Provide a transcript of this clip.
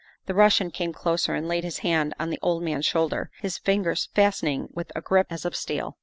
The Russian came closer and laid his hand on the old man's shoulder, his fingers fastening with a grip as of steel.